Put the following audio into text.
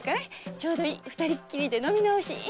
ちょうどいい二人で飲み直し。